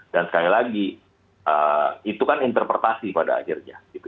dan sekali lagi itu kan interpretasi pada akhirnya